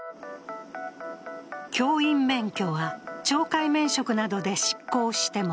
教員免許は、懲戒免職などで失効しても